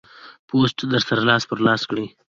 پوسټ در سره لاس پر لاس کړئ.